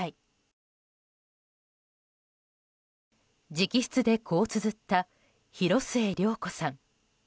直筆で、こうつづった広末涼子さん。